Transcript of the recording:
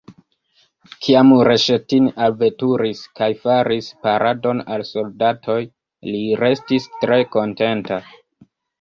Kiam Reŝetin alveturis kaj faris paradon al soldatoj, li restis tre kontenta.